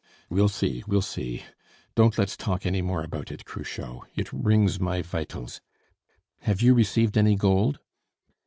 "We'll see, we'll see! Don't let's talk any more about it, Cruchot; it wrings my vitals. Have you received any gold?"